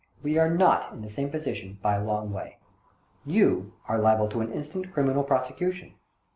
We are not in the same position, by a long way. You are liable to an instant criminal prosecution.